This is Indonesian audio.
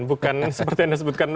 bukan seperti anda sebutkan